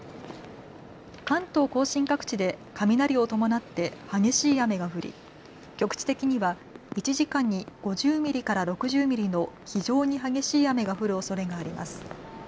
関東甲信各地で雷を伴って激しい雨が降り、局地的には１時間に５０ミリから６０ミリの非常に激しい雨が降るおそれがあります。